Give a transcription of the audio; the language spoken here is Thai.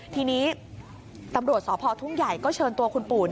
ทีนี้ตำรวจสพทุ่งใหญ่ก็เชิญตัวคุณปู่